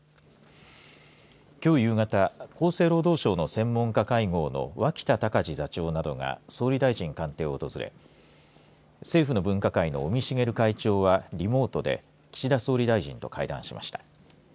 きょう夕方厚生労働省の専門家会合の脇田隆字座長などが総理大臣官邸を訪れ政府の分科会の尾身茂会長はリモートで岸田総理大臣と会談しました。